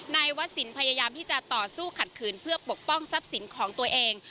นายวศิลป์พยายามที่จะต่อสู้ขัดขืนเพื่อปกป้องทรัพย์สินของตัวเอง